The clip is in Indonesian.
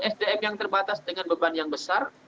sdm yang terbatas dengan beban yang besar